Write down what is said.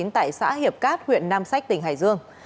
tại xã hiệp cát huyện nam sách tỉnh hải dương